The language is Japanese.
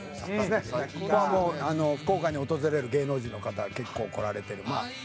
「ここはもう福岡に訪れる芸能人の方結構来られてる」